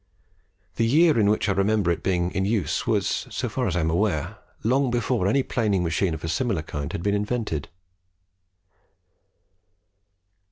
The year in which I remember it being in use was, so far as I am aware, long before any planing machine of a similar kind had been invented."